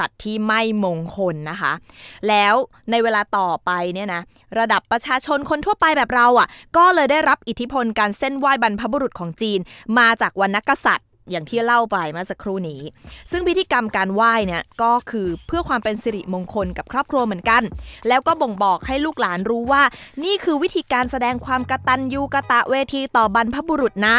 ที่ไม่มงคลนะคะแล้วในเวลาต่อไปเนี่ยนะระดับประชาชนคนทั่วไปแบบเราอ่ะก็เลยได้รับอิทธิพลการเส้นไหว้บรรพบุรุษของจีนมาจากวรรณกษัตริย์อย่างที่เล่าไปเมื่อสักครู่นี้ซึ่งพิธีกรรมการไหว้เนี่ยก็คือเพื่อความเป็นสิริมงคลกับครอบครัวเหมือนกันแล้วก็บ่งบอกให้ลูกหลานรู้ว่านี่คือวิธีการแสดงความกระตันยูกะตะเวทีต่อบรรพบุรุษนะ